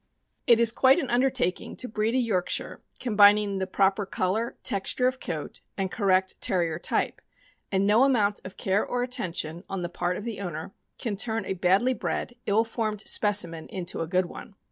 It is quite an undertaking to breed a Yorkshire combin ing the proper color, texture of coat, and correct Terrier type; and no amount of care or attention on the part of the owner can turn a badly bred, ill formed specimen into a good one.